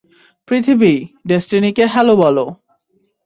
পৃথিবী, ডেস্টিনিকে হ্যালো বলো।